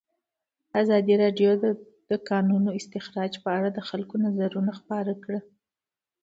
ازادي راډیو د د کانونو استخراج په اړه د خلکو نظرونه خپاره کړي.